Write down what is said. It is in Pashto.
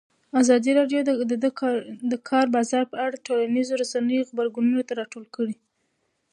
ازادي راډیو د د کار بازار په اړه د ټولنیزو رسنیو غبرګونونه راټول کړي.